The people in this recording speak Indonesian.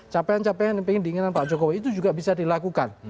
capaian capaian yang ingin diinginkan pak jokowi itu juga bisa dilakukan